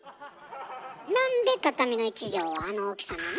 なんで畳の１畳はあの大きさなの？